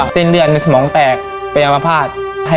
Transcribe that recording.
เดี๋ยวถึงโรงพยาบาลล่ะแม่